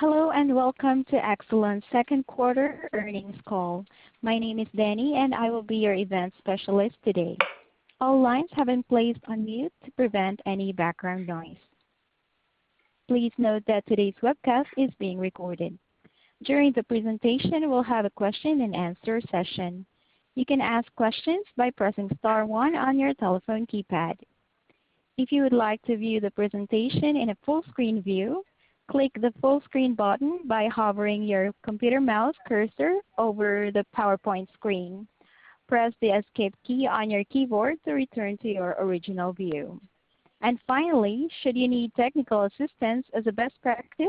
Hello, and welcome to Exelon's second quarter earnings call. My name is Danny, and I will be your event specialist today. All lines have been placed on mute to prevent any background noise. Please note that today's webcast is being recorded. During the presentation, we'll have a question and answer session. You can ask questions by pressing star one on your telephone keypad. If you would like to view the presentation in a full screen view, click the full screen button by hovering your computer mouse cursor over the PowerPoint screen. Press the escape key on your keyboard to return to your original view. Finally, should you need technical assistance, as a best practice,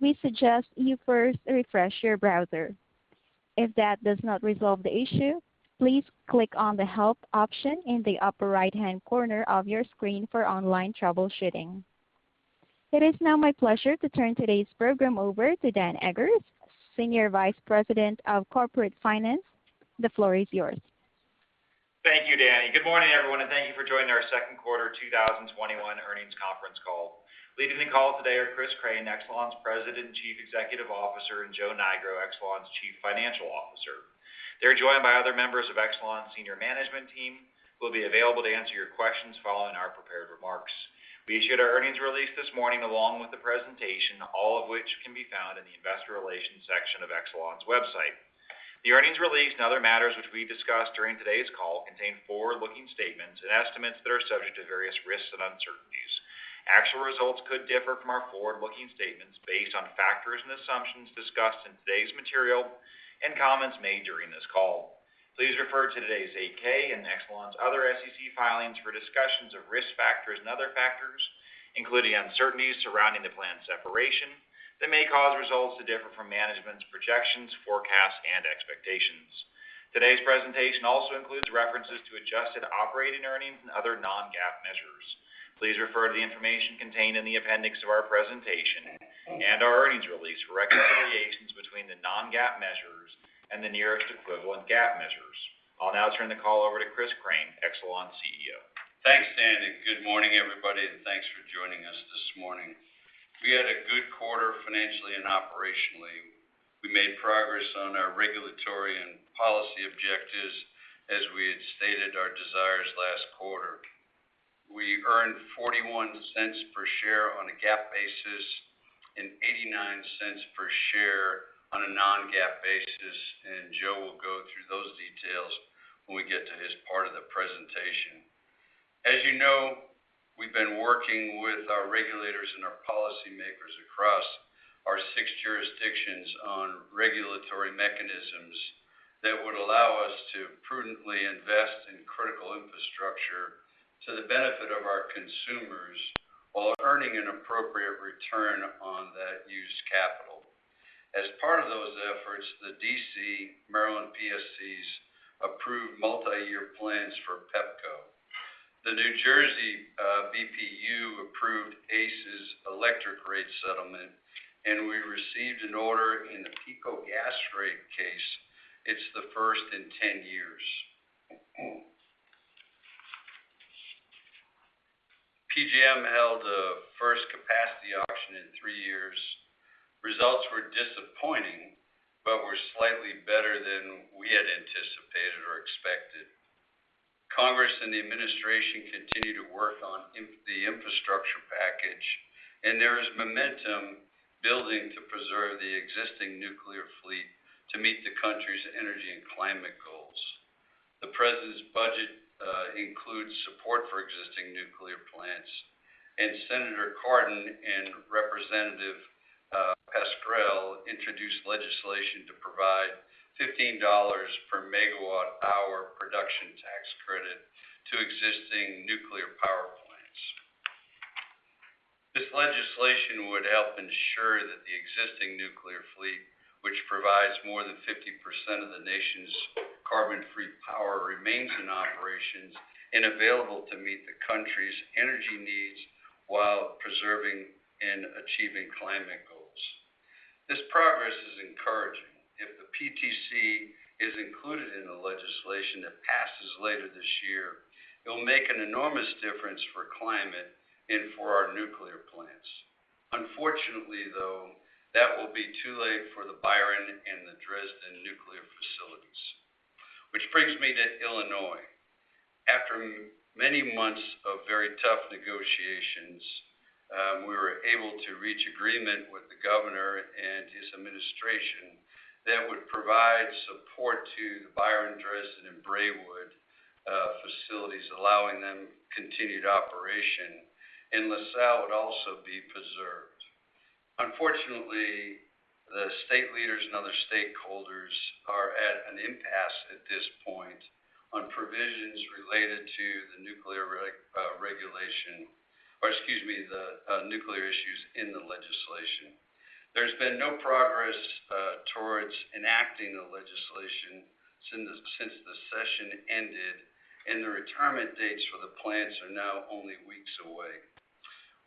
we suggest you first refresh your browser. If that does not resolve the issue, please click on the help option in the upper right-hand corner of your screen for online troubleshooting. It is now my pleasure to turn today's program over to Daniel L. Eggers, Senior Vice President of Corporate Finance. The floor is yours. Thank you, Daniel L. Eggers. Good morning, everyone, and thank you for joining our second quarter 2021 earnings conference call. Leading the call today are Chris Crane, Exelon's President Chief Executive Officer, and Joe Nigro, Exelon's Chief Financial Officer. They're joined by other members of Exelon's senior management team who will be available to answer your questions following our prepared remarks. We issued our earnings release this morning along with the presentation, all of which can be found in the investor relations section of Exelon's website. The earnings release and other matters which we discussed during today's call contain forward-looking statements and estimates that are subject to various risks and uncertainties. Actual results could differ from our forward-looking statements based on factors and assumptions discussed in today's material and comments made during this call. Please refer to today's 8-K and Exelon's other SEC filings for discussions of risk factors and other factors, including uncertainties surrounding the planned separation that may cause results to differ from management's projections, forecasts, and expectations. Today's presentation also includes references to adjusted operating earnings and other non-GAAP measures. Please refer to the information contained in the appendix of our presentation and our earnings release for reconciliations between the non-GAAP measures and the nearest equivalent GAAP measures. I'll now turn the call over to Chris Crane, Exelon's CEO. Thanks, Danny. Good morning, everybody, thanks for joining us this morning. We had a good quarter financially and operationally. We made progress on our regulatory and policy objectives as we had stated our desires last quarter. We earned $0.41 per share on a GAAP basis and $0.89 per share on a non-GAAP basis, and Joe will go through those details when we get to his part of the presentation. As you know, we've been working with our regulators and our policymakers across our six jurisdictions on regulatory mechanisms that would allow us to prudently invest in critical infrastructure to the benefit of our consumers while earning an appropriate return on that used capital. As part of those efforts, the D.C., Maryland PSCs approved multi-year plans for Pepco. The New Jersey BPU approved ACE's electric rate settlement, and we received an order in the PECO gas rate case. It's the first in 10 years. PJM held the first capacity auction in three years. Results were disappointing but were slightly better than we had anticipated or expected. Congress and the administration continue to work on the infrastructure package, and there is momentum building to preserve the existing nuclear fleet to meet the country's energy and climate goals. The present budget includes support for existing nuclear plants, and Senator Cardin and Representative Pascrell introduced legislation to provide $15 per megawatt-hour production tax credit to existing nuclear power plants. This legislation would help ensure that the existing nuclear fleet, which provides more than 50% of the nation's carbon-free power, remains in operations and available to meet the country's energy needs while preserving and achieving climate goals. This progress is encouraging. If the PTC is included in the legislation that passes later this year, it will make an enormous difference for climate and for our nuclear plants. Unfortunately, though, that will be too late for the Byron and the Dresden nuclear facilities. Which brings me to Illinois. After many months of very tough negotiations, we were able to reach agreement with the governor and his administration that would provide support to the Byron, Dresden, and Braidwood facilities, allowing them continued operation, and LaSalle would also be preserved. Unfortunately, the state leaders and other stakeholders are at an impasse at this point on provisions related to the nuclear regulation, or excuse me, the nuclear issues in the legislation. There's been no progress towards enacting the legislation since the session ended, and the retirement dates for the plants are now only weeks away.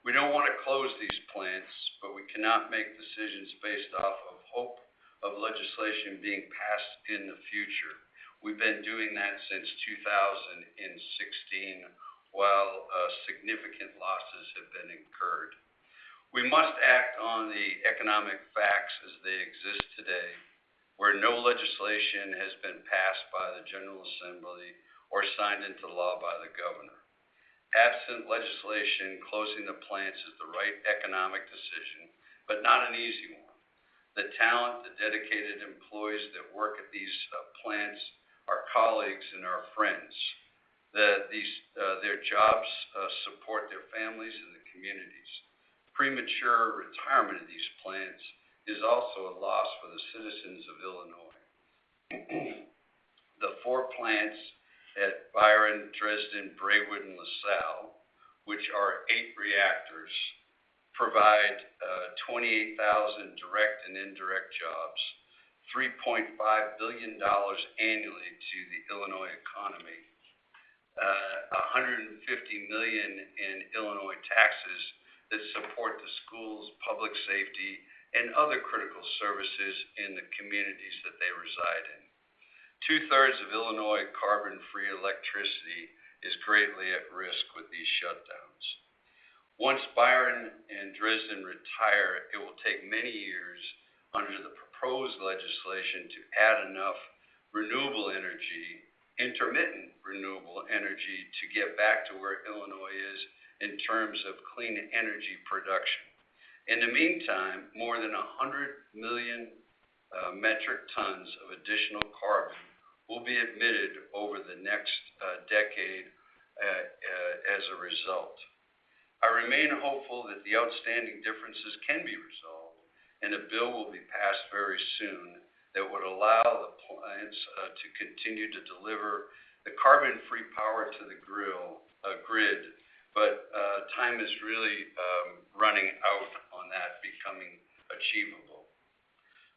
We don't want to close these plants. We cannot make decisions based off of hope of legislation being passed in the future. We've been doing that since 2016, while significant losses have been incurred. We must act on the economic facts as they exist today, where no legislation has been passed by the General Assembly or signed into law by the governor. Absent legislation, closing the plants is the right economic decision, but not an easy one. The talent, the dedicated employees that work at these plants are colleagues and are friends. Their jobs support their families and the communities. Premature retirement of these plants is also a loss for the citizens of Illinois. The four plants at Byron, Dresden, Braidwood, and LaSalle, which are 8 reactors, provide 28,000 direct and indirect jobs, $3.5 billion annually to the Illinois economy, $150 million in Illinois taxes that support the schools, public safety, and other critical services in the communities that they reside in. Two-thirds of Illinois carbon-free electricity is greatly at risk with these shutdowns. Once Byron and Dresden retire, it will take many years under the proposed legislation to add enough renewable energy, intermittent renewable energy, to get back to where Illinois is in terms of clean energy production. In the meantime, more than 100 million metric tons of additional carbon will be emitted over the next decade as a result. I remain hopeful that the outstanding differences can be resolved and a bill will be passed very soon that would allow the plants to continue to deliver the carbon-free power to the grid, but time is really running out on that becoming achievable.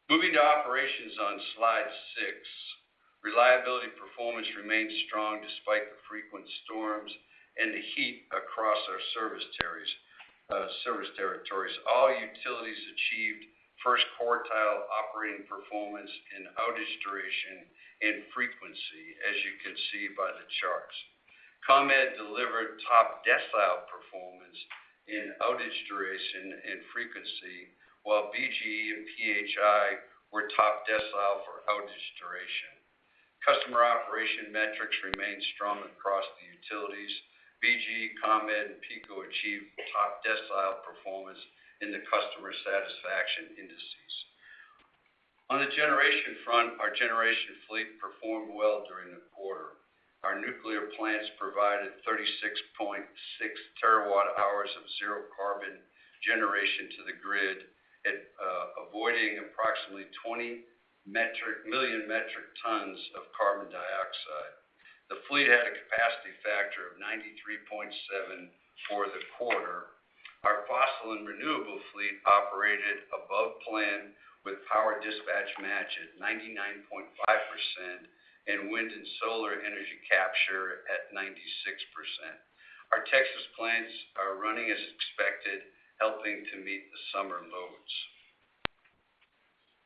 Moving to operations on slide 6. Reliability performance remains strong despite the frequent storms and the heat across our service territories. All utilities achieved first quartile operating performance in outage duration and frequency, as you can see by the charts. ComEd delivered top decile performance in outage duration and frequency, while BGE and PHI were top decile for outage duration. Customer operation metrics remain strong across the utilities. BGE, ComEd, and PECO achieved top decile performance in the customer satisfaction indices. On the generation front, our generation fleet performed well during the quarter. Our nuclear plants provided 36.6 terawatt hours of zero carbon generation to the grid, avoiding approximately 20 million metric tons of carbon dioxide. The fleet had a capacity factor of 93.7% for the quarter. Our fossil and renewable fleet operated above plan with power dispatch match at 99.5%, and wind and solar energy capture at 96%. Our Texas plants are running as expected, helping to meet the summer loads.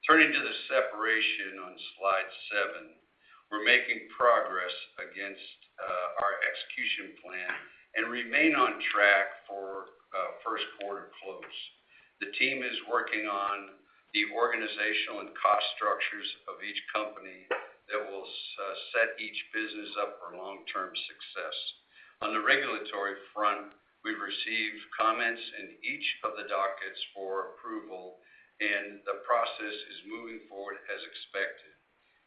Turning to the separation on slide 7. We're making progress against our execution plan and remain on track for first quarter close. The team is working on the organizational and cost structures of each company that will set each business up for long-term success. On the regulatory front, we've received comments in each of the dockets for approval, and the process is moving forward as expected.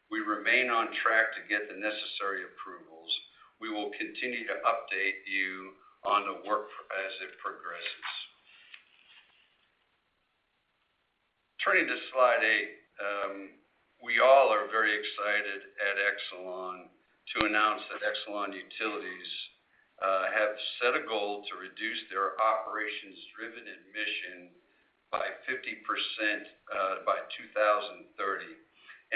We remain on track to get the necessary approvals. We will continue to update you on the work as it progresses. Turning to slide 8. We all are very excited at Exelon to announce that Exelon Utilities have set a goal to reduce their operations-driven emission by 50% by 2030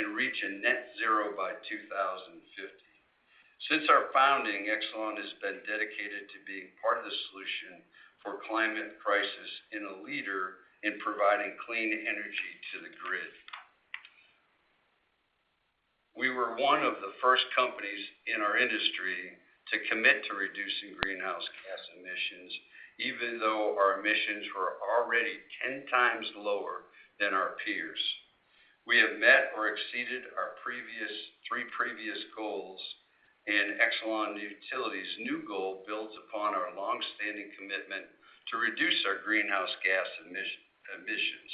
and reach a net zero by 2050. Since our founding, Exelon has been dedicated to being part of the solution for climate crisis and a leader in providing clean energy to the grid. We were one of the first companies in our industry to commit to reducing greenhouse gas emissions, even though our emissions were already 10 times lower than our peers. We have met or exceeded our three previous goals, and Exelon Utilities' new goal builds upon our long-standing commitment to reduce our greenhouse gas emissions.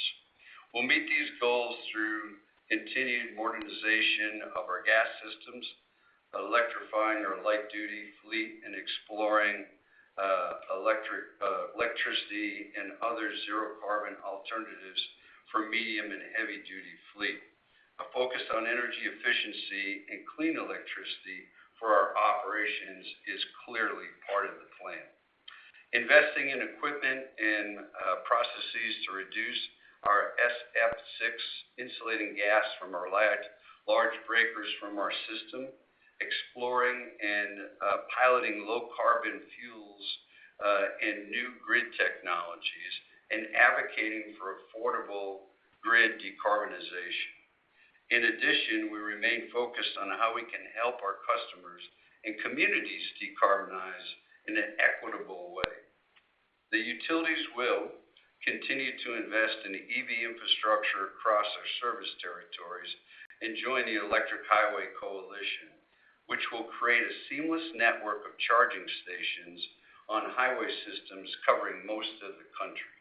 We'll meet these goals through continued modernization of our gas systems, electrifying our light-duty fleet, and exploring electricity and other zero-carbon alternatives for medium and heavy-duty fleet. A focus on energy efficiency and clean electricity for our operations is clearly part of the plan. Investing in equipment and processes to reduce our SF6 insulating gas from our large breakers from our system, exploring and piloting low-carbon fuels, and new grid technologies and advocating for affordable grid decarbonization. We remain focused on how we can help our customers and communities decarbonize in an equitable way. The utilities will continue to invest in EV infrastructure across our service territories and join the Electric Highway Coalition, which will create a seamless network of charging stations on highway systems covering most of the country.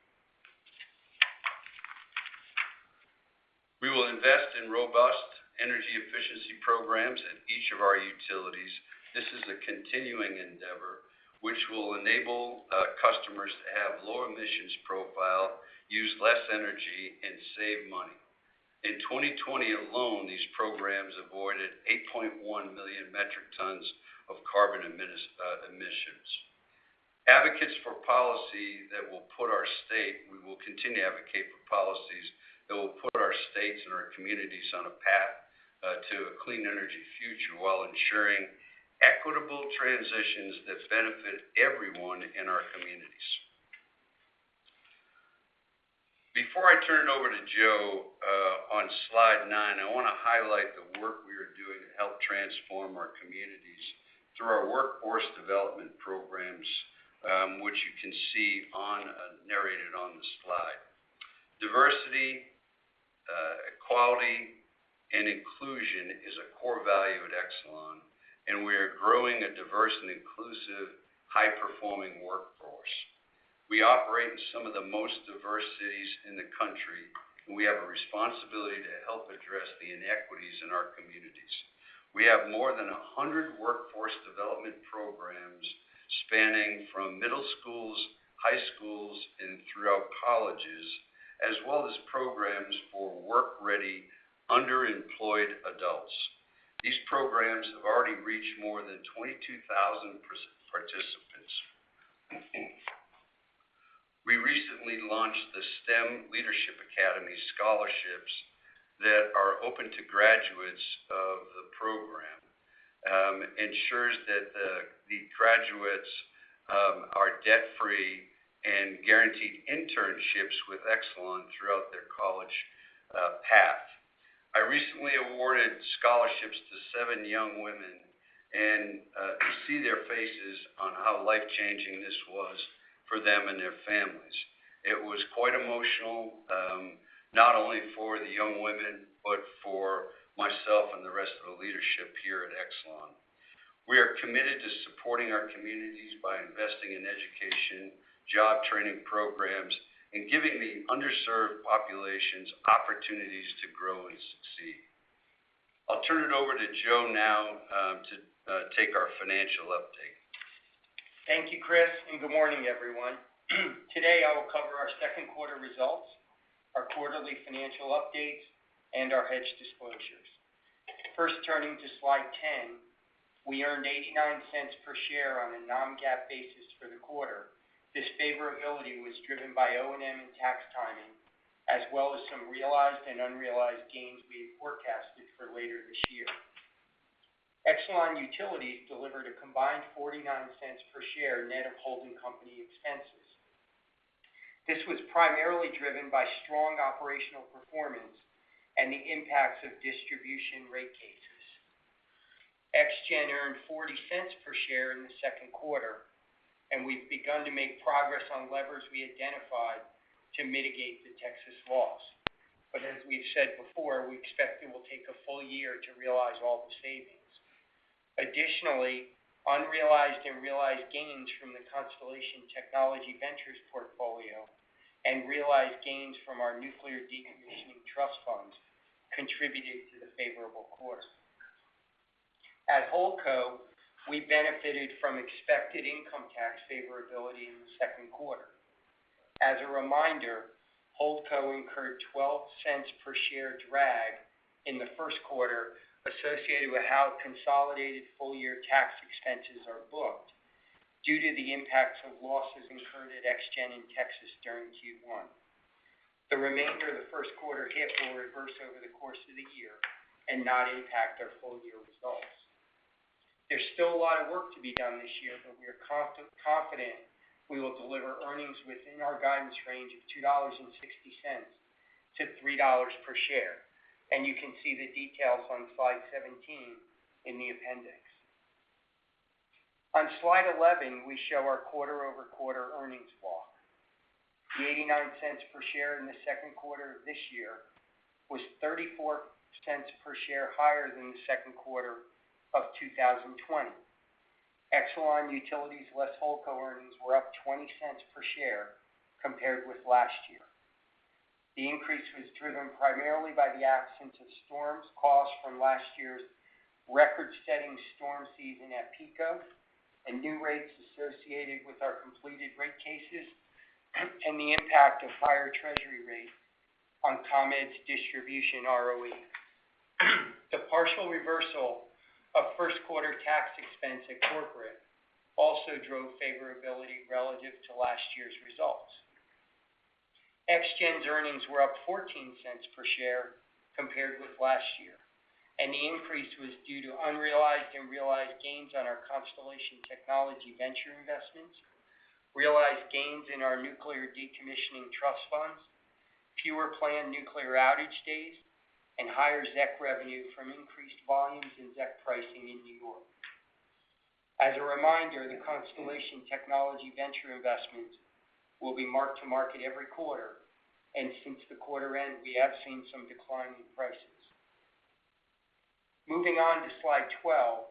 We will invest in robust energy efficiency programs at each of our utilities. This is a continuing endeavor, which will enable customers to have lower emissions profile, use less energy, and save money. In 2020 alone, these programs avoided 8.1 million metric tons of carbon emissions. We will continue to advocate for policies that will put our states and our communities on a path to a clean energy future, while ensuring equitable transitions that benefit everyone in our communities. Before I turn it over to Joe, on slide 9, I want to highlight the work we are doing to help transform our communities through our workforce development programs, which you can see narrated on the slide. Diversity, equality, and inclusion is a core value at Exelon. We are growing a diverse and inclusive, high-performing workforce. We operate in some of the most diverse cities in the country, and we have a responsibility to help address the inequities in our communities. We have more than 100 workforce development programs spanning from middle schools, high schools, and throughout colleges, as well as programs for work-ready, under-employed adults. These programs have already reached more than 22,000 participants. We recently launched the STEM Leadership Academy scholarships that are open to graduates of the program. It ensures that the graduates are debt-free and guaranteed internships with Exelon throughout their college path. I recently awarded scholarships to seven young women, and to see their faces on how life-changing this was for them and their families, it was quite emotional, not only for the young women, but for myself and the rest of the leadership here at Exelon. We are committed to supporting our communities by investing in education, job training programs, and giving the underserved populations opportunities to grow and succeed. I'll turn it over to Joe now to take our financial update. Thank you, Chris, good morning, everyone. Today I will cover our second quarter results, our quarterly financial updates, and our hedge disclosures. First, turning to slide 10, we earned $0.89 per share on a non-GAAP basis for the quarter. This favorability was driven by O&M and tax timing, as well as some realized and unrealized gains we had forecasted for later this year. Exelon Utilities delivered a combined $0.49 per share net of holding company expenses. This was primarily driven by strong operational performance and the impacts of distribution rate cases. ExGen earned $0.40 per share in the second quarter, and we've begun to make progress on levers we identified to mitigate the Texas loss. As we've said before, we expect it will take a full year to realize all the savings. Additionally, unrealized and realized gains from the Constellation Technology Ventures portfolio and realized gains from our nuclear decommissioning trust funds contributed to the favorable quarter. At Holdco, we benefited from expected income tax favorability in the second quarter. As a reminder, Holdco incurred $0.12 per share drag in the first quarter associated with how consolidated full-year tax expenses are booked due to the impacts of losses incurred at ExGen in Texas during Q1. The remainder of the first quarter hit will reverse over the course of the year and not impact our full-year results. There's still a lot of work to be done this year, we are confident we will deliver earnings within our guidance range of $2.60 to $3 per share. You can see the details on slide 17 in the appendix. On slide 11, we show our quarter-over-quarter earnings walk. The $0.89 per share in the second quarter of this year was $0.34 per share higher than the second quarter of 2020. Exelon Utilities, less Holdco earnings, were up $0.20 per share compared with last year. The increase was driven primarily by the absence of storms costs from last year's record-setting storm season at PECO and new rates associated with our completed rate cases and the impact of higher treasury rates on ComEd's distribution ROE. The partial reversal of first quarter tax expense at Corporate also drove favorability relative to last year's results. ExGen's earnings were up $0.14 per share compared with last year. The increase was due to unrealized and realized gains on our Constellation Technology Ventures investments, realized gains in our nuclear decommissioning trust funds, fewer planned nuclear outage days, and higher ZEC revenue from increased volumes and ZEC pricing in New York. As a reminder, the Constellation Technology Ventures investments will be marked to market every quarter, and since the quarter end, we have seen some decline in prices. Moving on to slide 12.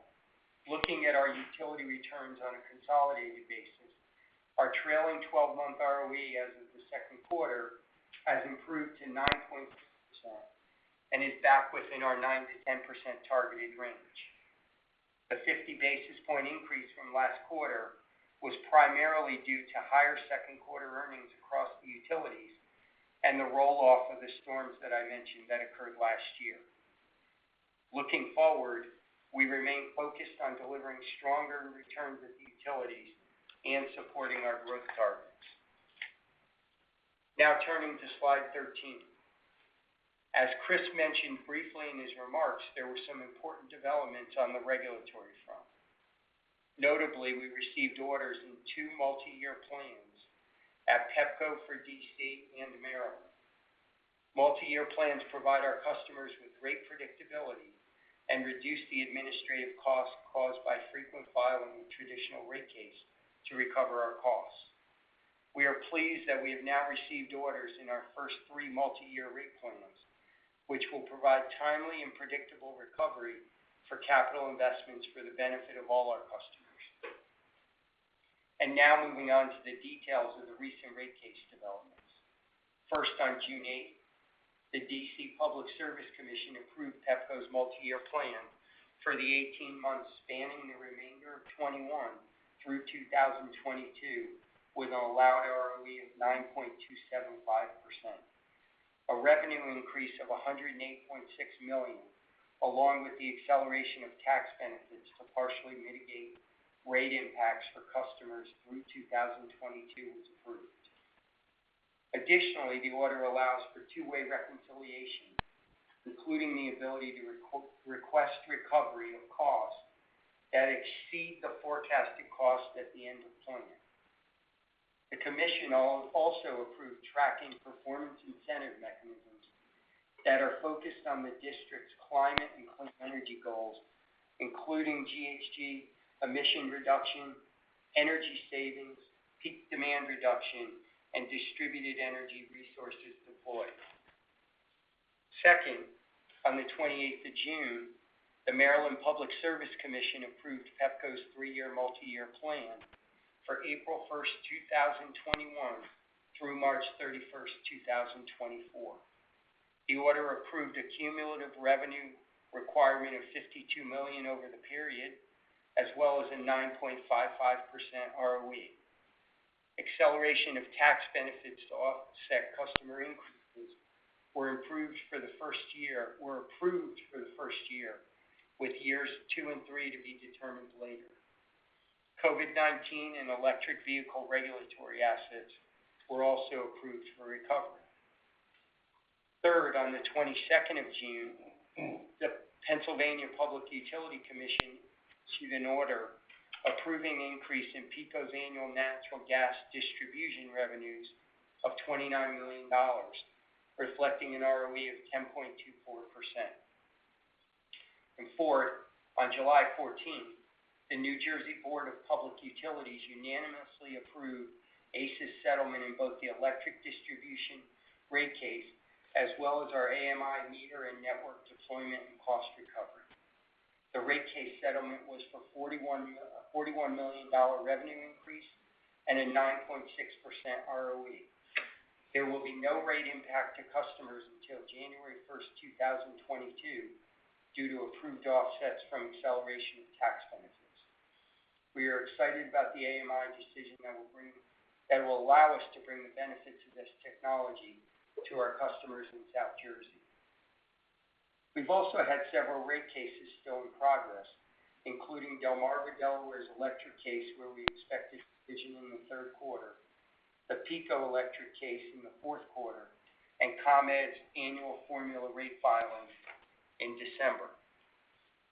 Looking at our utility returns on a consolidated basis, our trailing 12-month ROE as of the second quarter has improved to 9.6% and is back within our 9% to 10% targeted range. The 50-basis point increase from last quarter was primarily due to higher second quarter earnings across the utilities and the roll-off of the storms that I mentioned that occurred last year. Looking forward, we remain focused on delivering stronger returns at the utilities and supporting our growth targets. Turning to slide 13. As Chris mentioned briefly in his remarks, there were some important developments on the regulatory front. Notably, we received orders in two multi-year plans at Pepco for D.C. and Maryland. Multi-year plans provide our customers with great predictability and reduce the administrative costs caused by frequent filing of traditional rate case to recover our costs. We are pleased that we have now received orders in our first three multi-year rate plans, which will provide timely and predictable recovery for capital investments for the benefit of all our customers. Moving on to the details of the recent rate case developments. First, on June 8th, the D.C. Public Service Commission approved Pepco's multi-year plan for the 18 months spanning the remainder of 2021 through 2022, with an allowed ROE of 9.275%. A revenue increase of $108.6 million, along with the acceleration of tax benefits to partially mitigate rate impacts for customers through 2022 was approved. Additionally, the order allows for two-way reconciliation, including the ability to request recovery of costs that exceed the forecasted cost at the end of planning. The commission also approved tracking performance incentive mechanisms that are focused on the D.C.'s climate and clean energy goals, including GHG emission reduction, energy savings, peak demand reduction, and distributed energy resources deployed. Second, on the 28th of June, the Maryland Public Service Commission approved Pepco's three-year multi-year plan for April 1st, 2021 through March 31st, 2024. The order approved a cumulative revenue requirement of $52 million over the period, as well as a 9.55% ROE. Acceleration of tax benefits to offset customer increases were approved for the first year, with years two and three to be determined later. COVID-19 and electric vehicle regulatory assets were also approved for recovery. Third, on the 22nd of June, the Pennsylvania Public Utility Commission issued an order approving the increase in PECO's annual natural gas distribution revenues of $29 million, reflecting an ROE of 10.24%. Fourth, on July 14th, the New Jersey Board of Public Utilities unanimously approved ACE's settlement in both the electric distribution rate case, as well as our AMI meter and network deployment and cost recovery. The rate case settlement was for a $41 million revenue increase and a 9.6% ROE. There will be no rate impact to customers until January 1st, 2022, due to approved offsets from acceleration of tax benefits. We are excited about the AMI decision that will allow us to bring the benefits of this technology to our customers in South Jersey. We've also had several rate cases still in progress, including Delmarva Delaware's electric case, where we expect a decision in the third quarter, the PECO electric case in the fourth quarter, and ComEd's annual formula rate filing in December.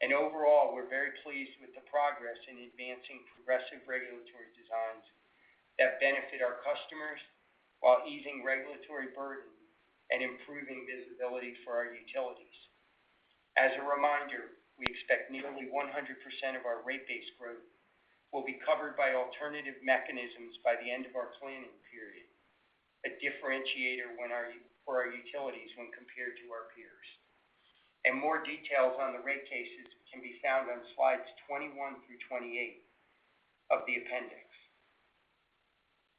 Overall, we're very pleased with the progress in advancing progressive regulatory designs that benefit our customers while easing regulatory burden and improving visibility for our utilities. As a reminder, we expect nearly 100% of our rate-based growth will be covered by alternative mechanisms by the end of our planning period, a differentiator for our utilities when compared to our peers. More details on the rate cases can be found on slides 21 through 28 of the appendix.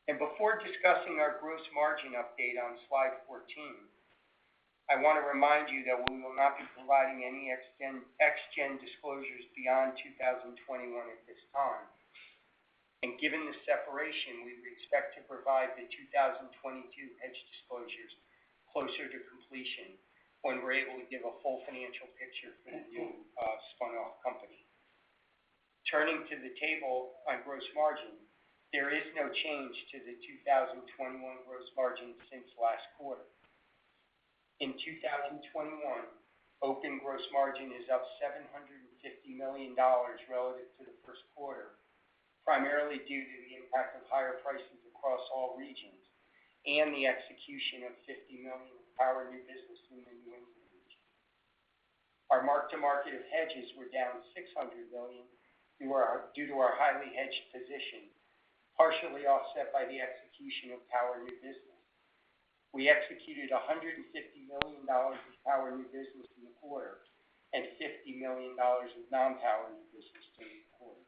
Before discussing our gross margin update on slide 14, I want to remind you that we will not be providing any ExGen disclosures beyond 2021 at this time. Given the separation, we expect to provide the 2022 ExGen disclosures closer to completion when we're able to give a full financial picture for the new spun-off company. Turning to the table on gross margin, there is no change to the 2021 gross margin since last quarter. In 2021, open gross margin is up $750 million relative to the first quarter, primarily due to the impact of higher prices across all regions and the execution of $50 million of power new business in the New England region. Our mark-to-market of hedges were down $600 million due to our highly hedged position, partially offset by the execution of power new business. We executed $150 million of power new business in the quarter and $50 million of non-power new business to date quarter.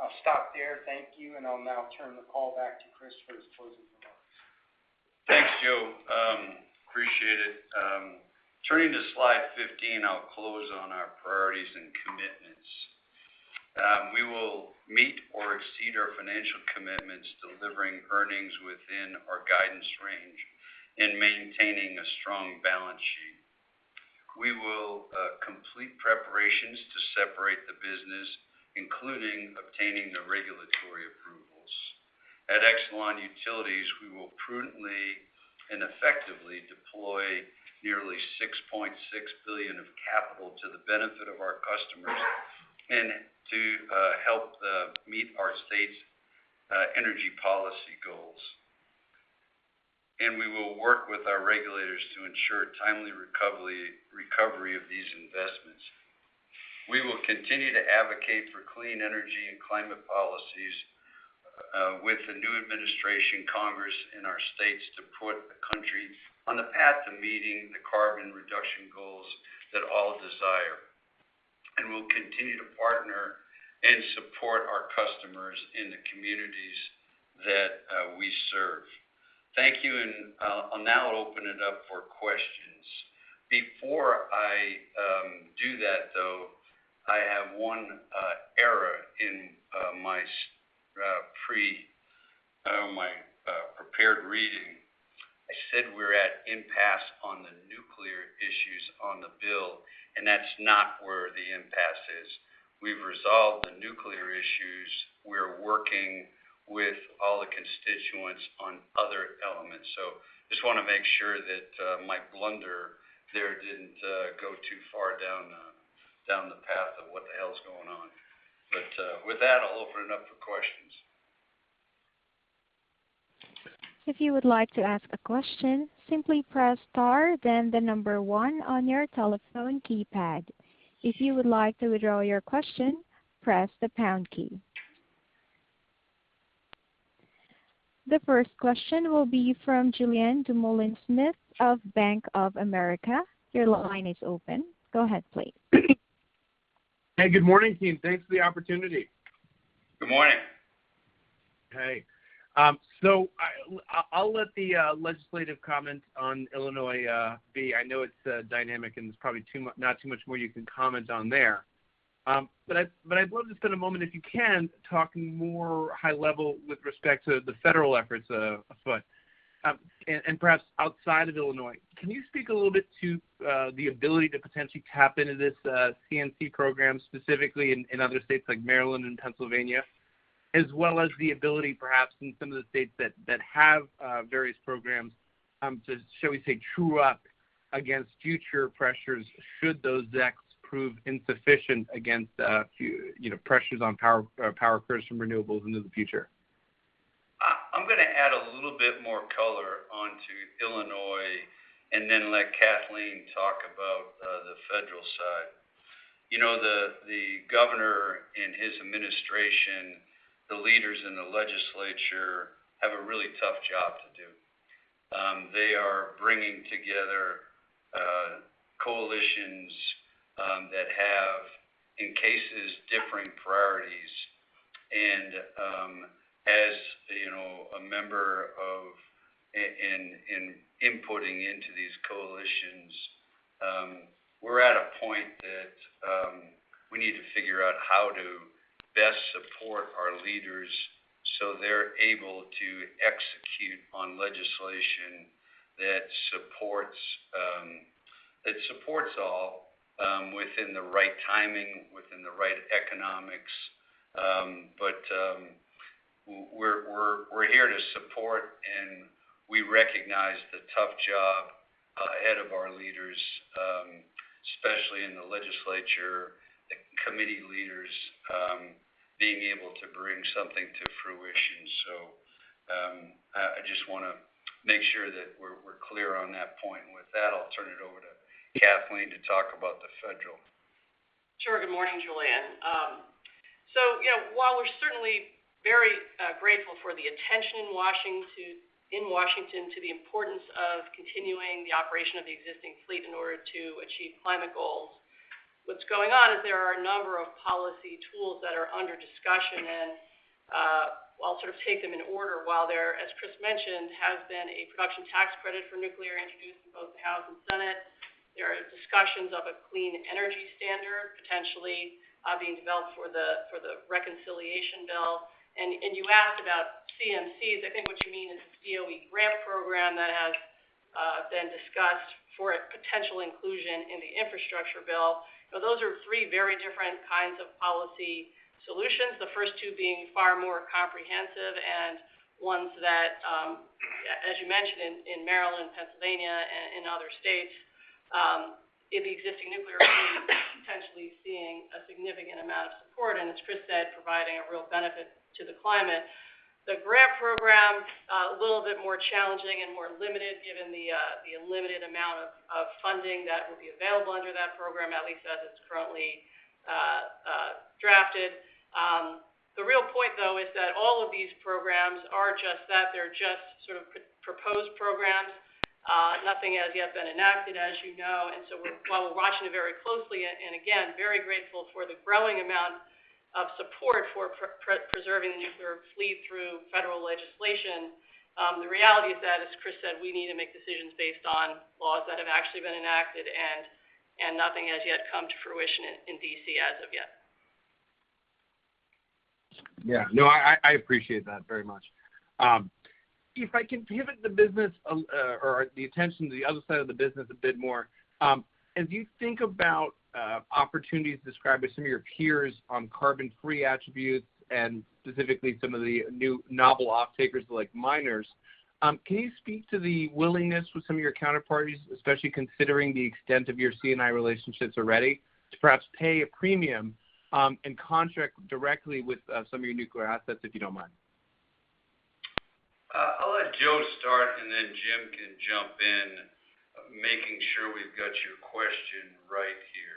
I'll stop there. Thank you. I'll now turn the call back to Chris for his closing remarks. Thanks, Joe. Appreciate it. Turning to slide 15, I'll close on our priorities and commitments. We will meet or exceed our financial commitments, delivering earnings within our guidance range and maintaining a strong balance sheet. We will complete preparations to separate the business, including obtaining the regulatory approvals. At Exelon Utilities, we will prudently and effectively deploy nearly $6.6 billion of capital to the benefit of our customers and to help meet our state's energy policy goals. We will work with our regulators to ensure timely recovery of these investments. We will continue to advocate for clean energy and climate policies, with the new administration, Congress, and our states to put the country on the path to meeting the carbon reduction goals that all desire. We'll continue to partner and support our customers in the communities that we serve. Thank you, and I'll now open it up for questions. Before I do that, though, I have 1 error in my prepared reading. I said we're at impasse on the nuclear issues on the bill, and that's not where the impasse is. We've resolved the nuclear issues. We're working with all the constituents on other elements. Just want to make sure that my blunder there didn't go too far down the path of what the hell's going on? With that, I'll open it up for questions. If you would like to ask a question, simply press star then number the one on your telephone keypad. If you would like to withdraw your question press the pound key. The first question will be from Julien Dumoulin-Smith of Bank of America. Your line is open. Go ahead, please. Hey, good morning, team. Thanks for the opportunity. Good morning. Hey. I'll let the legislative comment on Illinois be. I know it's dynamic and there's probably not too much more you can comment on there. I'd love to spend a moment, if you can, talking more high level with respect to the federal efforts afoot, and perhaps outside of Illinois. Can you speak a little bit to the ability to potentially tap into this CNC program specifically in other states like Maryland and Pennsylvania, as well as the ability perhaps in some of the states that have various programs to, shall we say, true up against future pressures should those decks prove insufficient against pressures on power curves from renewables into the future? I'm going to add a little bit more color onto Illinois and then let Kathleen talk about the federal side. The governor and his administration, the leaders in the legislature, have a really tough job to do. They are bringing together coalitions that have, in cases, differing priorities. As a member in inputting into these coalitions, we're at a point that we need to figure out how to best support our leaders so they're able to execute on legislation that supports all within the right timing, within the right economics. We're here to support, and we recognize the tough job ahead of our leaders, especially in the legislature, the committee leaders being able to bring something to fruition. I just want to make sure that we're clear on that point. With that, I'll turn it over to Kathleen to talk about the federal. Sure. Good morning, Julien. While we're certainly very grateful for the attention in Washington to the importance of continuing the operation of the existing fleet in order to achieve climate goals, what's going on is there are a number of policy tools that are under discussion, and I'll sort of take them in order while there, as Chris mentioned, has been a production tax credit for nuclear introduced in both the House and Senate. There are discussions of a clean energy standard potentially being developed for the reconciliation bill. You asked about CNCs. I think what you mean is the DOE grant program that has been discussed for potential inclusion in the infrastructure bill. Those are three very different kinds of policy solutions, the first two being far more comprehensive and ones that, as you mentioned, in Maryland, Pennsylvania, and in other states, in the existing nuclear fleet, potentially seeing a significant amount of support, and as Chris said, providing a real benefit to the climate. The grant program, a little bit more challenging and more limited given the limited amount of funding that will be available under that program, at least as it's currently drafted. The real point, though, is that all of these programs are just that. They're just proposed programs. Nothing has yet been enacted, as you know. While we're watching it very closely and, again, very grateful for the growing amount of support for preserving the nuclear fleet through federal legislation, the reality is that, as Chris said, we need to make decisions based on laws that have actually been enacted, and nothing has yet come to fruition in D.C. as of yet. Yeah. No, I appreciate that very much. If I can pivot the attention to the other side of the business a bit more, as you think about opportunities described by some of your peers on carbon-free attributes and specifically some of the new novel off-takers like miners, can you speak to the willingness with some of your counterparties, especially considering the extent of your C&I relationships already, to perhaps pay a premium and contract directly with some of your nuclear assets, if you don't mind? I'll let Joe start, and then Jim can jump in, making sure we've got your question right here.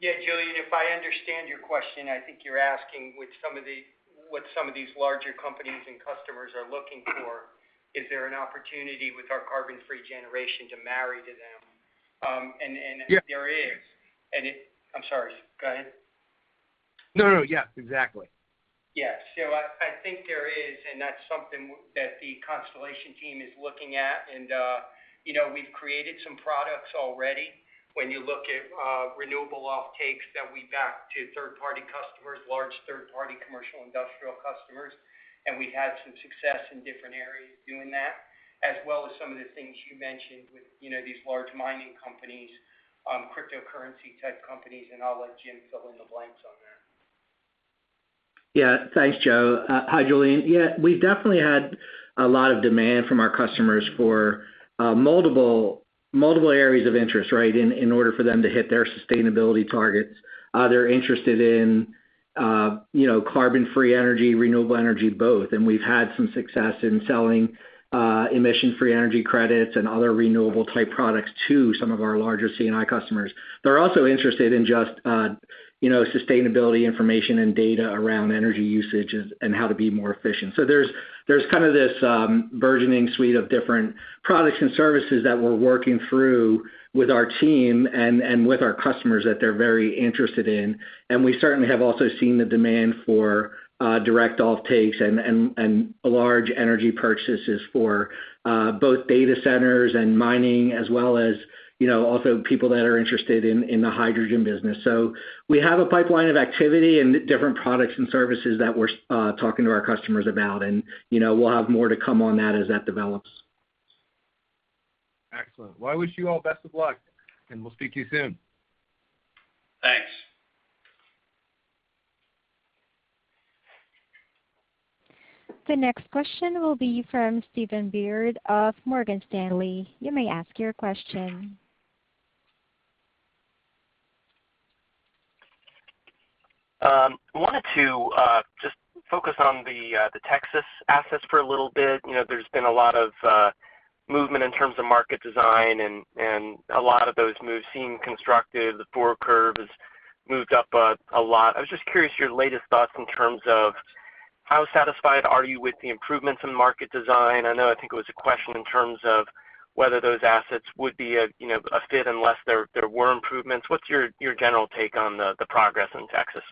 Yeah, Julien, if I understand your question, I think you're asking what some of these larger companies and customers are looking for. Is there an opportunity with our carbon-free generation to marry to them? There is. I'm sorry, go ahead. No, yeah, exactly. Yeah. I think there is, and that's something that the Constellation team is looking at. We've created some products already. When you look at renewable off-takes that we back to third-party customers, large third-party commercial industrial customers, we've had some success in different areas doing that, as well as some of the things you mentioned with these large mining companies, cryptocurrency-type companies. I'll let Jim fill in the blanks on there. Yeah. Thanks, Joe. Hi, Julien. Yeah, we've definitely had a lot of demand from our customers for multiple areas of interest, right, in order for them to hit their sustainability targets. They're interested in carbon-free energy, renewable energy, both, and we've had some success in selling emission-free energy credits and other renewable-type products to some of our larger C&I customers. They're also interested in just sustainability information and data around energy usage and how to be more efficient. There's this burgeoning suite of different products and services that we're working through with our team and with our customers that they're very interested in. We certainly have also seen the demand for direct off-takes and large energy purchases for both data centers and mining, as well as also people that are interested in the hydrogen business. We have a pipeline of activity and different products and services that we're talking to our customers about, and we'll have more to come on that as that develops. Excellent. Well, I wish you all best of luck, and we'll speak to you soon. Thanks. The next question will be from Stephen Byrd of Morgan Stanley. You may ask your question. I wanted to just focus on the Texas assets for a little bit. There's been a lot of movement in terms of market design and a lot of those moves seem constructive. The forward curve has moved up a lot. I was just curious your latest thoughts in terms of how satisfied are you with the improvements in market design? I know, I think it was a question in terms of whether those assets would be a fit unless there were improvements. What's your general take on the progress in Texas?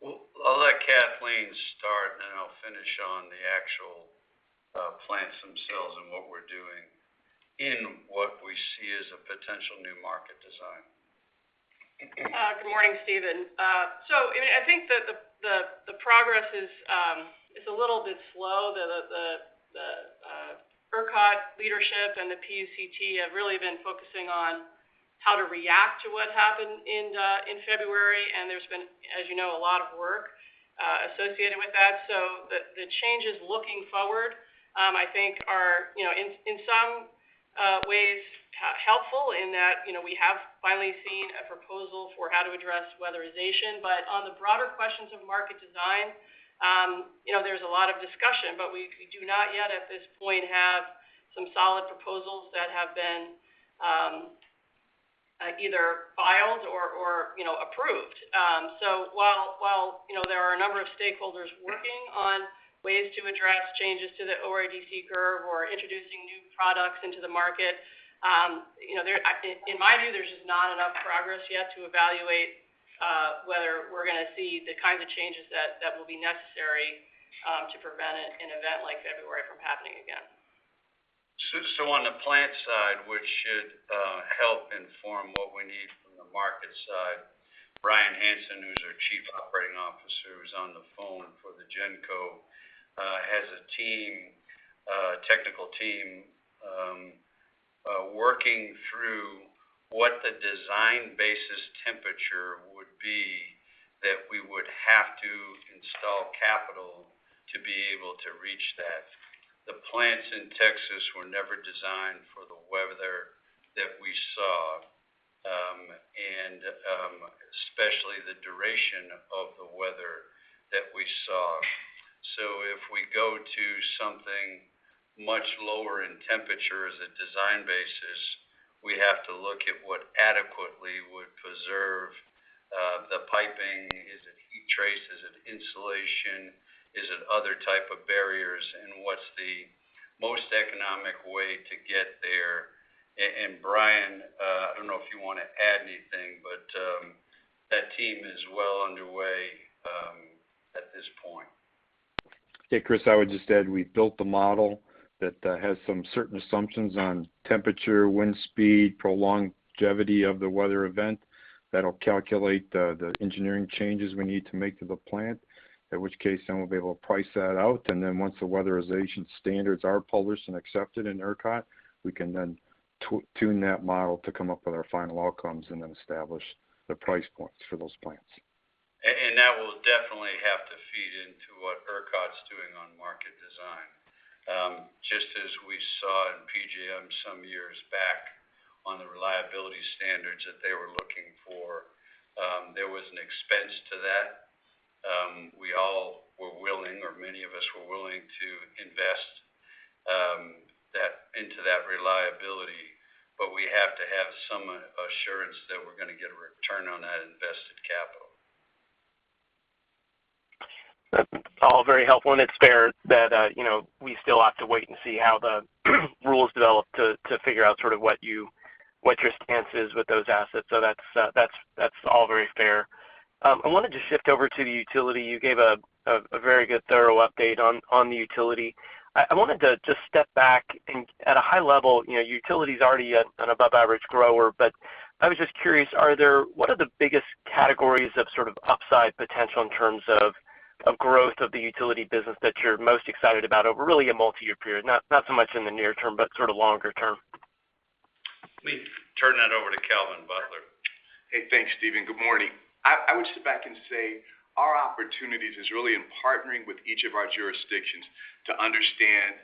Well, I'll let Kathleen start, and then I'll finish on the actual plants themselves and what we're doing in what we see as a potential new market design. Good morning, Stephen. I think that the progress is a little bit slow. The ERCOT leadership and the PUCT have really been focusing on how to react to what happened in February, and there's been, as you know, a lot of work associated with that. The changes looking forward, I think are, in some ways, helpful in that we have finally seen a proposal for how to address weatherization. On the broader questions of market design, there's a lot of discussion, but we do not yet, at this point, have some solid proposals that have been either filed or approved. While there are a number of stakeholders working on ways to address changes to the ORDC curve or introducing new products into the market, in my view, there's just not enough progress yet to evaluate whether we're going to see the kinds of changes that will be necessary to prevent an event like February from happening again. On the plant side, which should inform what we need from the market side. Bryan Hanson, who's our Chief Operating Officer, who's on the phone for the Exelon Generation, has a technical team working through what the design basis temperature would be that we would have to install capital to be able to reach that. The plants in Texas were never designed for the weather that we saw. Especially the duration of the weather that we saw. If we go to something much lower in temperature as a design basis, we have to look at what adequately would preserve the piping. Is it heat trace? Is it insulation? Is it other type of barriers? What's the most economic way to get there? Bryan, I don't know if you want to add anything, but that team is well underway at this point. Yeah, Chris, I would just add, we've built the model that has some certain assumptions on temperature, wind speed, prolonged longevity of the weather event. That'll calculate the engineering changes we need to make to the plant, in which case then we'll be able to price that out. Once the weatherization standards are published and accepted in ERCOT, we can then tune that model to come up with our final outcomes and then establish the price points for those plants. That will definitely have to feed into what ERCOT's doing on market design. Just as we saw in PJM some years back on the reliability standards that they were looking for, there was an expense to that. We all were willing, or many of us were willing to invest into that reliability. We have to have some assurance that we're going to get a return on that invested capital. That's all very helpful, and it's fair that we still have to wait and see how the rules develop to figure out what your stance is with those assets. That's all very fair. I wanted to shift over to the utility. You gave a very good thorough update on the utility. I wanted to just step back and at a high level, utility's already an above average grower, but I was just curious, what are the biggest categories of sort of upside potential in terms of growth of the utility business that you're most excited about over really a multi-year period, not so much in the near term, but sort of longer term? Let me turn that over to Calvin Butler. Hey, thanks Stephen. Good morning. I would sit back and say our opportunities is really in partnering with each of our jurisdictions to understand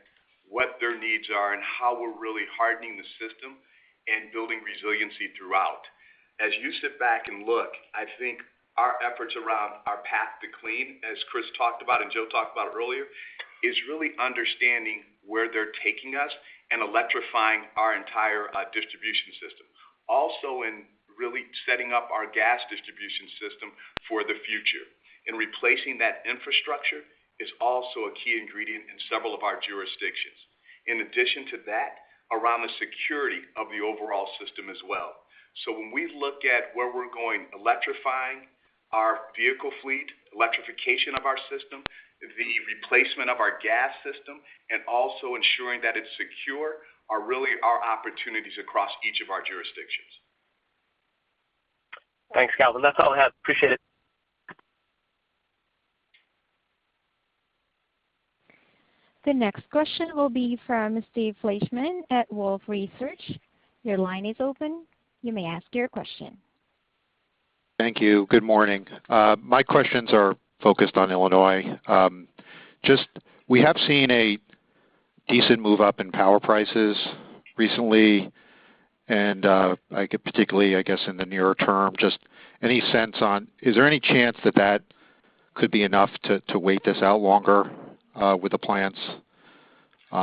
what their needs are and how we're really hardening the system and building resiliency throughout. As you sit back and look, I think our efforts around our path to clean, as Chris Crane talked about and Joe Nigro talked about earlier, is really understanding where they're taking us and electrifying our entire distribution system. Also in really setting up our gas distribution system for the future. Replacing that infrastructure is also a key ingredient in several of our jurisdictions. In addition to that, around the security of the overall system as well. When we look at where we're going, electrifying our vehicle fleet, electrification of our system, the replacement of our gas system, and also ensuring that it's secure, are really our opportunities across each of our jurisdictions. Thanks, Calvin. That's all I have. Appreciate it. The next question will be from Steve Fleishman at Wolfe Research. Your line is open, you may ask your question. Thank you. Good morning. My questions are focused on Illinois. We have seen a decent move up in power prices recently, particularly, I guess, in the nearer term, just any sense on, is there any chance that that could be enough to wait this out longer with the plants? Yeah.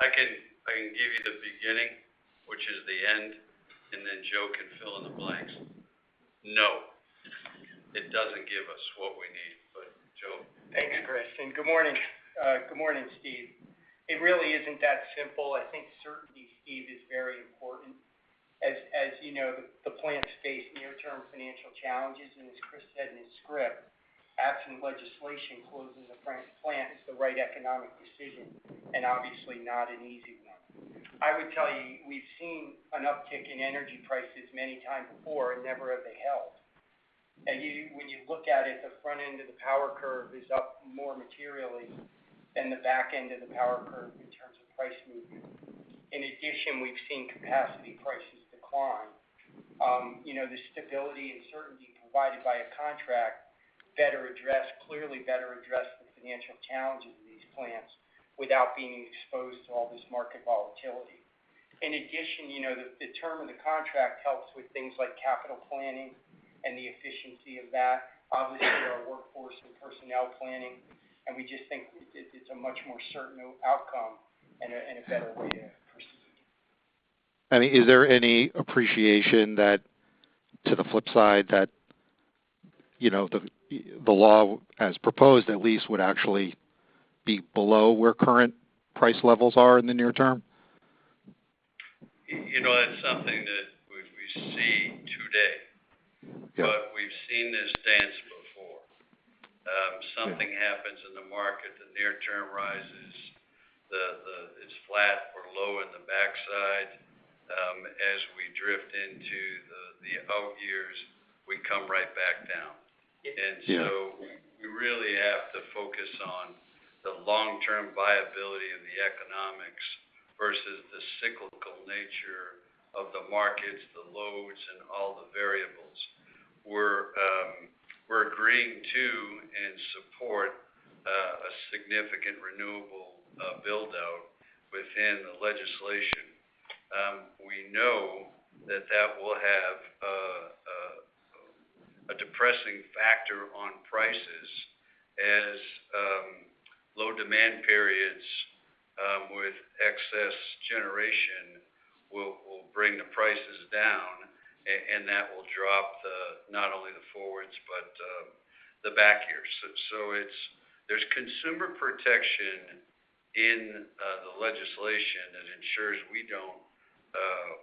I can give you the beginning, which is the end, and then Joe can fill in the blanks. No. It doesn't give us what we need. Joe. Thank you, Chris, and good morning. Good morning, Steve. It really isn't that simple. I think certainty, Steve, is very important. As you know, the plants face near-term financial challenges, and as Chris said in his script, absent legislation, closing the plants is the right economic decision, and obviously not an easy one. I would tell you, we've seen an uptick in energy prices many times before, and never have they held. When you look at it, the front end of the power curve is up more materially than the back end of the power curve in terms of price movement. In addition, we've seen capacity prices decline. The stability and certainty provided by a contract better address, clearly better address the financial challenges of these plants without being exposed to all this market volatility. In addition, the term of the contract helps with things like capital planning and the efficiency of that, obviously our workforce and personnel planning. We just think it's a much more certain outcome and a better way to proceed. Is there any appreciation that to the flip side, that the law as proposed at least would actually be below where current price levels are in the near term? That's something that we see today. Okay. But we have seen like this before ,term rises. It's flat or low in the backside. As we drift into the out years, we come right back down. Yeah. We really have to focus on the long-term viability of the economics versus the cyclical nature of the markets, the loads, and all the variables. We're agreeing to and support a significant renewable build-out within the legislation. We know that will have a depressing factor on prices as low demand periods with excess generation will bring the prices down, and that will drop not only the forwards but the back years. There's consumer protection in the legislation that ensures we don't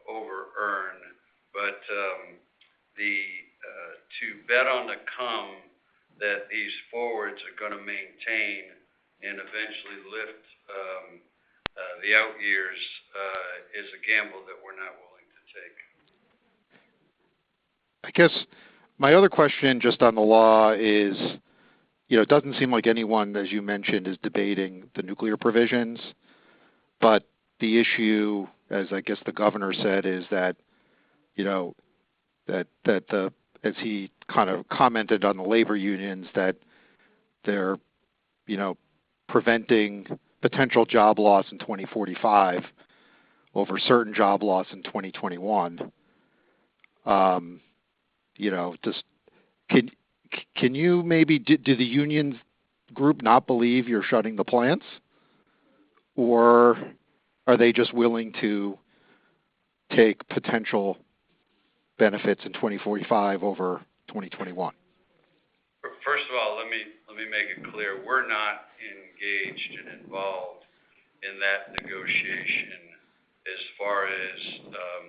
over-earn, but to bet on the come that these forwards are going to maintain and eventually lift the out years is a gamble that we're not willing to take. I guess my other question just on the law is, it doesn't seem like anyone, as you mentioned, is debating the nuclear provisions. The issue, as I guess the governor said, as he kind of commented on the labor unions, that they're preventing potential job loss in 2045 over certain job loss in 2021. Do the union group not believe you're shutting the plants, or are they just willing to take potential benefits in 2045 over 2021? First of all, let me make it clear. We're not engaged and involved in that negotiation as far as the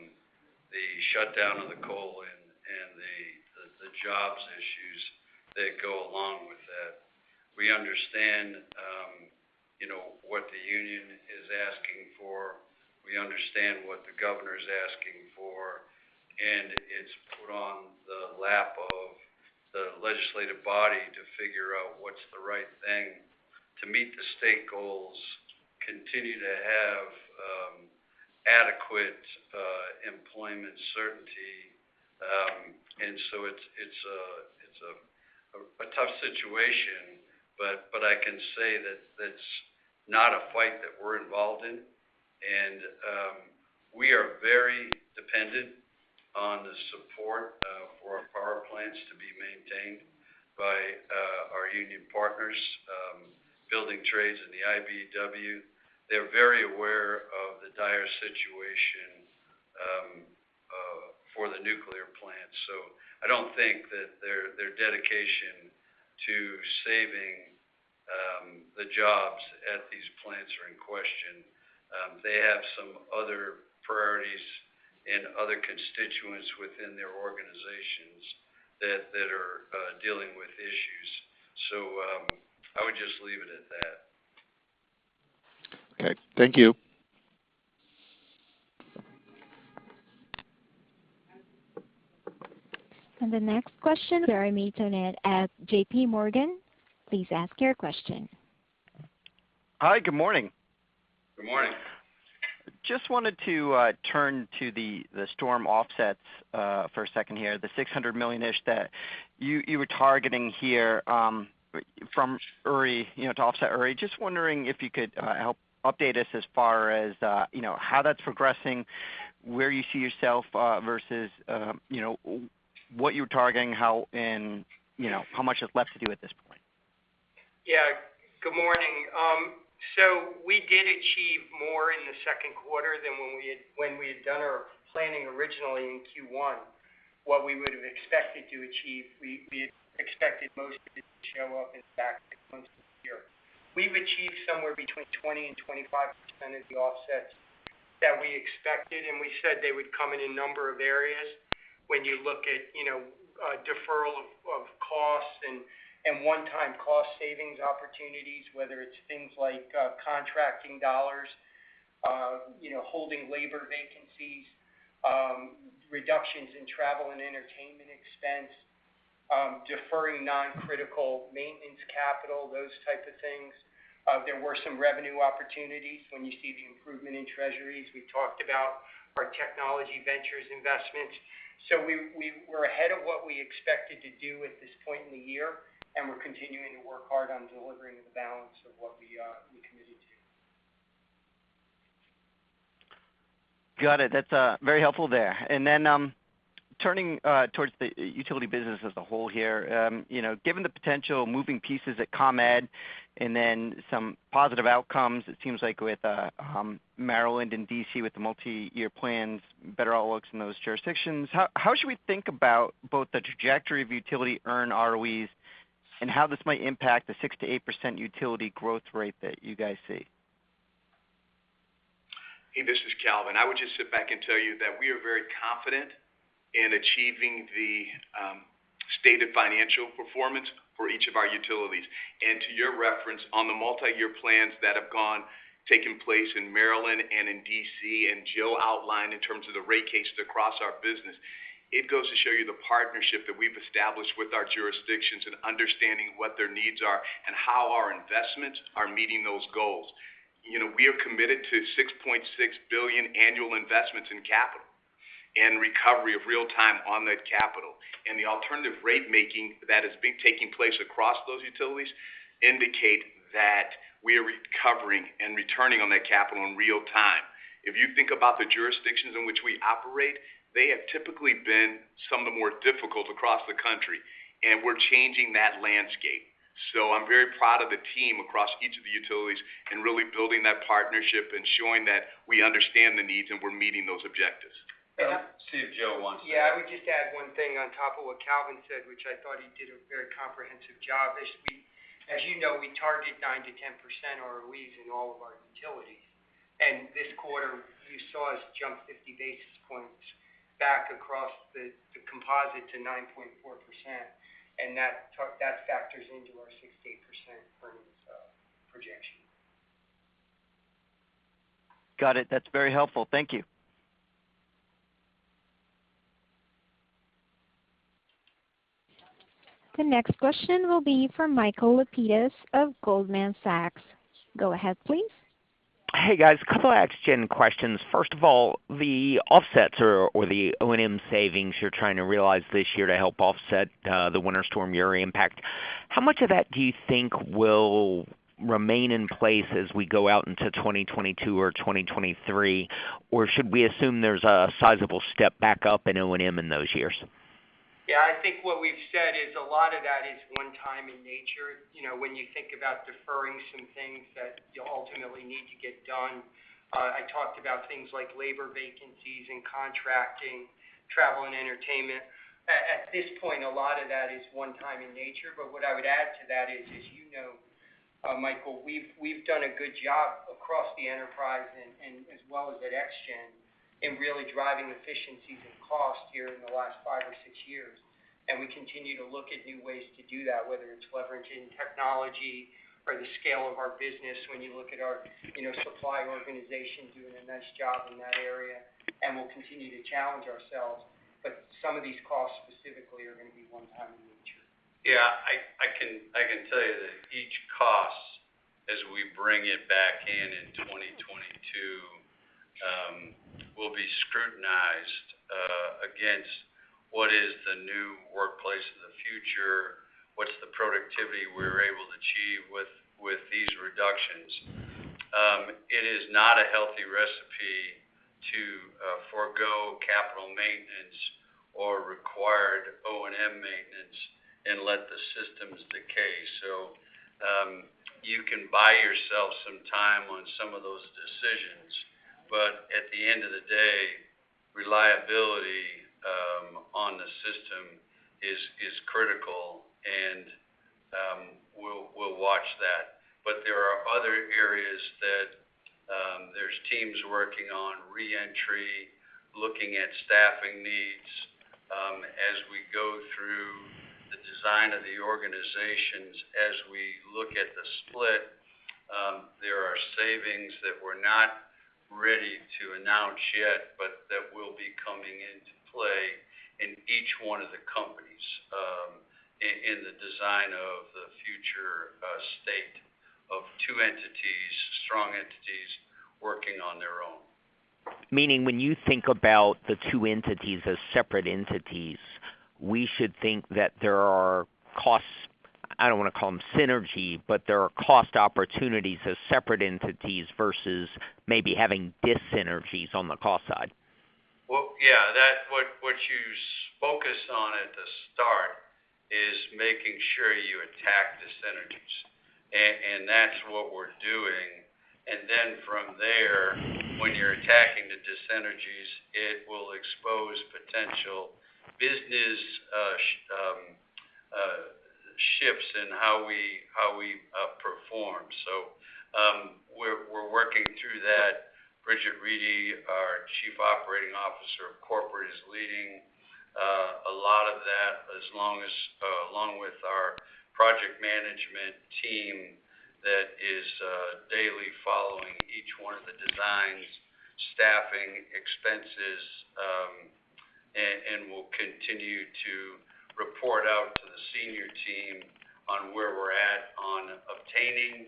shutdown of the coal and the jobs issues that go along with that. We understand what the union is asking for. We understand what the governor's asking for. It's put on the lap of the legislative body to figure out what's the right thing to meet the state goals, continue to have adequate employment certainty. It's a tough situation, but I can say that's not a fight that we're involved in. We are very dependent on the support for our power plants to be maintained by our union partners, building trades in the IBEW. They're very aware of the dire situation for the nuclear plants. I don't think that their dedication to saving the jobs at these plants are in question. They have some other priorities and other constituents within their organizations that are dealing with issues. I would just leave it at that. Okay. Thank you. The next question, Jeremy Tonet at J.P. Morgan. Please ask your question. Hi, good morning. Good morning. Just wanted to turn to the storm offsets for a second here, the $600 million-ish that you were targeting here to offset Uri. Just wondering if you could help update us as far as how that's progressing, where you see yourself versus what you're targeting, how much is left to do at this point? Yeah. Good morning. We did achieve more in the second quarter than when we had done our planning originally in Q1. What we would have expected to achieve, we expected most of it to show up in the back 6 months of the year. We've achieved somewhere between 20% and 25% of the offsets that we expected, and we said they would come in a number of areas. When you look at deferral of costs and one-time cost savings opportunities, whether it's things like contracting dollars, holding labor vacancies, reductions in travel and entertainment expense, deferring non-critical maintenance capital, those types of things. There were some revenue opportunities when you see the improvement in treasuries. We talked about our Technology Ventures investments. We're ahead of what we expected to do at this point in the year, and we're continuing to work hard on delivering the balance of what we committed to. Got it. That's very helpful there. Turning towards the utility business as a whole here. Given the potential moving pieces at ComEd and then some positive outcomes, it seems like with Maryland and D.C. with the multi-year plans, better outlooks in those jurisdictions. How should we think about both the trajectory of utility earn ROEs and how this might impact the 6% to 8% utility growth rate that you guys see? Hey, this is Calvin. I would just sit back and tell you that we are very confident in achieving the stated financial performance for each of our utilities. To your reference on the multi-year plans that have taken place in Maryland and in D.C., Joe outlined in terms of the rate cases across our business, it goes to show you the partnership that we've established with our jurisdictions in understanding what their needs are and how our investments are meeting those goals. We are committed to $6.6 billion annual investments in capital and recovery of real time on that capital. The alternative rate making that has been taking place across those utilities indicate that we are recovering and returning on that capital in real time. If you think about the jurisdictions in which we operate, they have typically been some of the more difficult across the country, and we're changing that landscape. I'm very proud of the team across each of the utilities in really building that partnership and showing that we understand the needs and we're meeting those objectives. See if Joe wants to. I would just add one thing on top of what Calvin said, which I thought he did a very comprehensive job. As you know, we target 9% to 10% ROEs in all of our utilities. This quarter, you saw us jump 50 basis points back across the composite to 9.4%, and that factors into our 6% to 8% earnings projection. Got it. That's very helpful. Thank you. The next question will be from Michael Lapides of Goldman Sachs. Go ahead, please. Hey, guys. A couple of ExGen questions. First of all, the offsets or the O&M savings you're trying to realize this year to help offset the Winter Storm Uri impact. How much of that do you think will remain in place as we go out into 2022 or 2023? Should we assume there's a sizable step back up in O&M in those years? Yeah, I think what we've said is a lot of that is one-time in nature. When you think about deferring some things that you ultimately need to get done. I talked about things like labor vacancies and contracting, travel and entertainment. At this point, a lot of that is one-time in nature. What I would add to that is, as you know, Michael, we've done a good job across the enterprise and as well as at ExGen in really driving efficiencies and cost here in the last five or six years. We continue to look at new ways to do that, whether it's leveraging technology or the scale of our business. When you look at our supply organization doing a nice job in that area, and we'll continue to challenge ourselves. Some of these costs specifically are going to be one-time in nature. Yeah, I can tell you that each cost as we bring it back in in 2022, will be scrutinized against what is the new workplace of the future, what's the productivity we're able to achieve with these reductions. It is not a healthy recipe to forego capital maintenance or required O&M maintenance and let the systems decay. You can buy yourself some time on some of those decisions, but at the end of the day, reliability on the system is critical, and we'll watch that. There are other areas that there's teams working on re-entry, looking at staffing needs. As we go through the design of the organizations, as we look at the split, there are savings that we're not ready to announce yet, but that will be coming into play in each one of the companies, in the design of the future state of two entities, strong entities working on their own. Meaning when you think about the two entities as separate entities, we should think that there are costs, I don't want to call them synergy, but there are cost opportunities as separate entities versus maybe having dis-synergies on the cost side. Yeah. What you focus on at the start is making sure you attack dis-synergies. That's what we're doing. Then from there, when you're attacking the dis-synergies, it will expose potential business shifts in how we perform. We're working through that. Bridget Reidy, our Chief Operating Officer of Corporate, is leading a lot of that, along with our project management team that is daily following each one of the designs, staffing, expenses, will continue to report out to the senior team on where we're at on obtaining.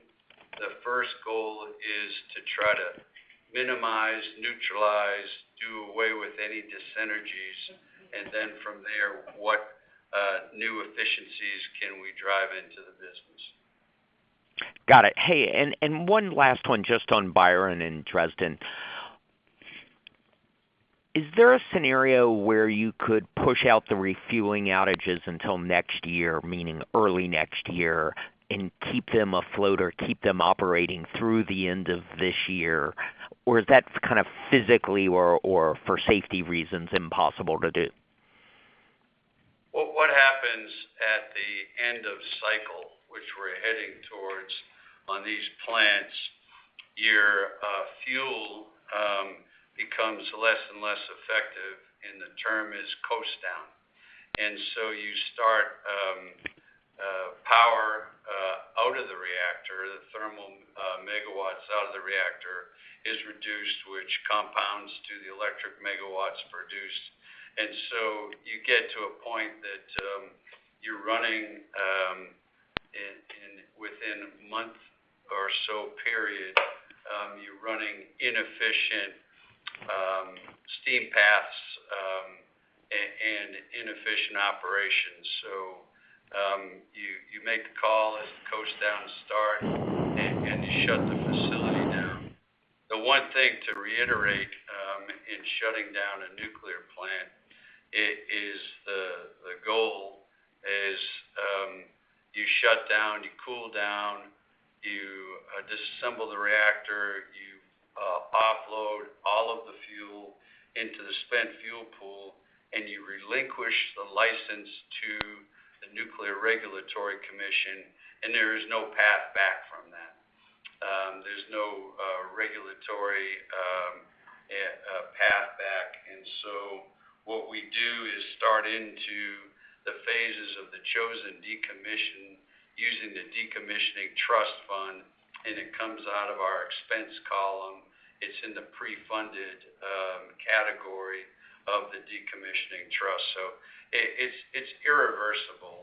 The first goal is to try to minimize, neutralize, do away with any dis-synergies, then from there, what new efficiencies can we drive into the business. Got it. Hey, one last one just on Byron and Dresden. Is there a scenario where you could push out the refueling outages until next year, meaning early next year, and keep them afloat or keep them operating through the end of this year? Or is that kind of physically or for safety reasons, impossible to do? Well, what happens at the end of cycle, which we're heading towards on these plants, your fuel becomes less and less effective, and the term is coast down. You start power out of the reactor, the thermal megawatts out of the reactor is reduced, which compounds to the electric megawatts produced. You get to a point that you're running, within a month or so period, you're running inefficient steam paths and inefficient operations. You make the call as the coast down start, and you shut the facility down. The one thing to reiterate, in shutting down a nuclear plant, the goal is you shut down, you cool down, you disassemble the reactor, you offload all of the fuel into the spent fuel pool, and you relinquish the license to the Nuclear Regulatory Commission, and there is no path back from that. There's no regulatory path back. What we do is start into the phases of the chosen decommissioning using the decommissioning trust fund, and it comes out of our expense column. It's in the pre-funded category of the decommissioning trust. It's irreversible.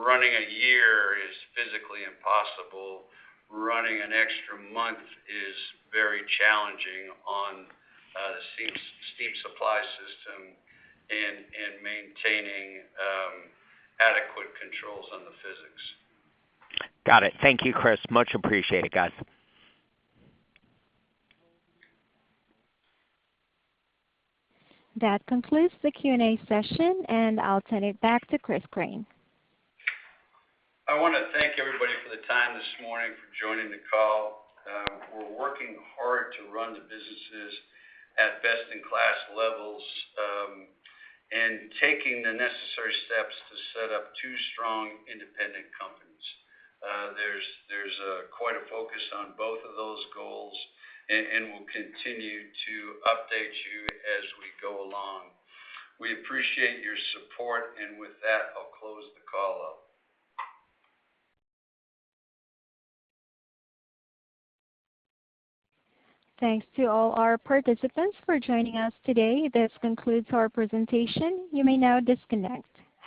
Running a year is physically impossible. Running an extra month is very challenging on the steam supply system and maintaining adequate controls on the physics. Got it. Thank you, Chris. Much appreciated, guys. That concludes the Q&A session, and I'll turn it back to Chris Crane. I want to thank everybody for the time this morning for joining the call. We're working hard to run the businesses at best-in-class levels, and taking the necessary steps to set up two strong, independent companies. There's quite a focus on both of those goals, and we'll continue to update you as we go along. We appreciate your support, and with that, I'll close the call up. Thanks to all our participants for joining us today. This concludes our presentation. You may now disconnect.